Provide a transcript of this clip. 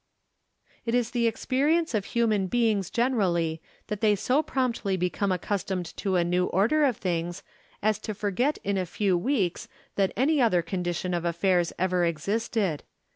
It is the experience of human beings generally that they so promptly become accustomed to a new order of things as to forget in a few weeks that any other condition of affairs ever existed.